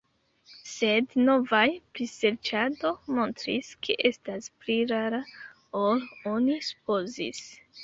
Sed novaj priserĉado montris, ke estas pli rara ol oni supozis.